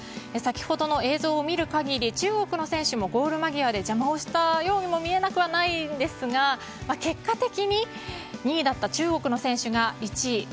先ほどの映像を見る限り中国の選手もゴール間際で邪魔をしたようにも見えなくはないんですが結果的に２位だった中国の選手が１位。